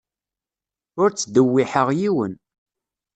Ur ttdewwiḥeɣ yiwen.